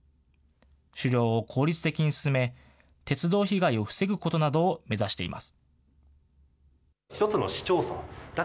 狩猟を効率的に進め、鉄道被害を防ぐことなどを目指しています。